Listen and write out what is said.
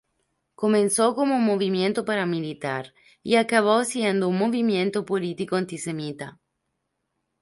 Comenzó como un movimiento paramilitar y acabó siendo un movimiento político antisemita.